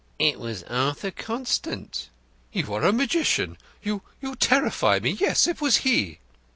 "It was Arthur Constant." "You are a magician! You you terrify me. Yes, it was he."